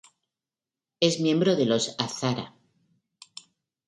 Es miembro de los Hazara.